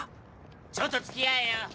ちょっと付き合えよ。